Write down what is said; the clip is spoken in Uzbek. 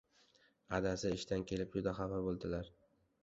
— Adasi ishdan kelib juda xafa bo‘ldilar.